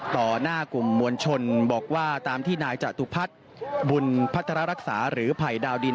หน้ากลุ่มมวลชนบอกว่าตามที่นายจตุพัฒน์บุญพัฒนารักษาหรือภัยดาวดิน